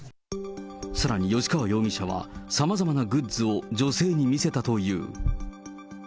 さらに吉川容疑者は、さまざまなグッズを女性に見せたという。